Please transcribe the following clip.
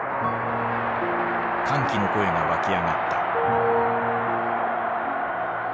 歓喜の声がわき上がった。